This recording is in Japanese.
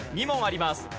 ２問あります。